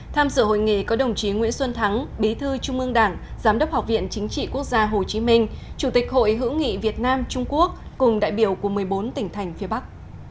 tham dự hội nghị có đồng chí nguyễn xuân thắng bí thư trung ương đảng giám đốc học viện chính trị quốc gia hồ chí minh chủ tịch hội hữu nghị việt nam trung quốc cùng đại biểu của một mươi bốn tỉnh thành phía bắc